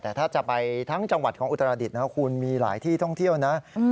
แต่ถ้าจะไปทั้งจังหวัดของอุตรดิษฐ์นะคุณมีหลายที่ท่องเที่ยวนะ